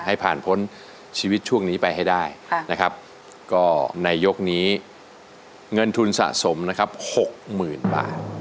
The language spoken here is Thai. ให้ผ่านพ้นชีวิตช่วงนี้ไปให้ได้นะครับก็ในยกนี้เงินทุนสะสมนะครับหกหมื่นบาท